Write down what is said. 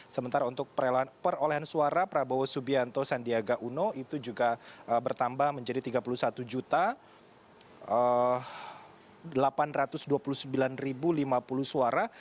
sementara untuk perolehan suara prabowo subianto sandiaga uno itu juga bertambah menjadi tiga puluh satu delapan ratus dua puluh sembilan lima puluh suara